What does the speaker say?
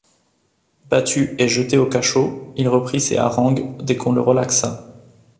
Battu et jeté au cachot, il reprit ses harangues dès qu’on le relaxa.